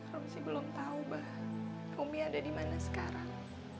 rom sih belum tahu mbah umi ada di mana sekarang